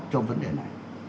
trong vấn đề này